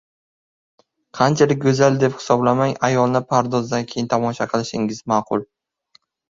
• Qanchalik go‘zal deb hisoblamang, ayolni pardozdan keyin tomosha kilishingiz ma’qul.